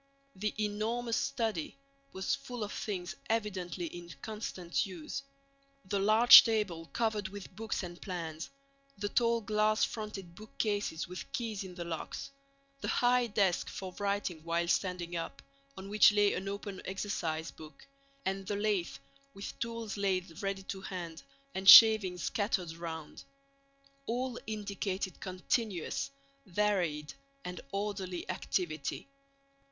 The enormous study was full of things evidently in constant use. The large table covered with books and plans, the tall glass fronted bookcases with keys in the locks, the high desk for writing while standing up, on which lay an open exercise book, and the lathe with tools laid ready to hand and shavings scattered around—all indicated continuous, varied, and orderly activity.